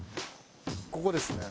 ここですね。